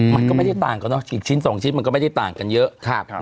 มันก็ไม่ได้ต่างกันเนาะฉีดชิ้น๒ชิ้นมันก็ไม่ได้ต่างกันเยอะ